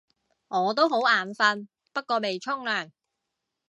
我都好眼瞓，不過未沖涼